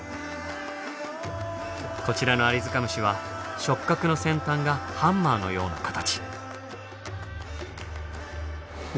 こちらのアリヅカムシは触角の先端がハンマーのような形。